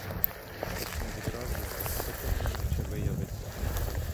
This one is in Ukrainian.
Хоч не відразу, а таки неминуче виявиться!